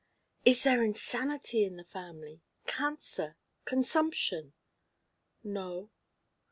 "Is there insanity in the family, cancer, consumption?" "No."